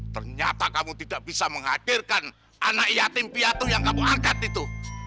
ternyata kamu tidak bisa menghadirkan anak yatim piatu yang kamu angkat itu